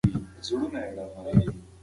پښتو به په انټرنیټ کې پیاوړې شي.